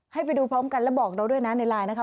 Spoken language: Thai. ให้ไปดูพร้อมกันและบอกเราด้วยนะในไลน์นะคะ